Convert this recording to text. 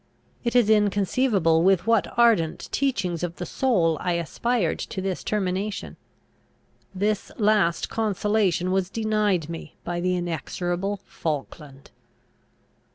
It is inconceivable with what ardent Teachings of the soul I aspired to this termination. This last consolation was denied me by the inexorable Falkland.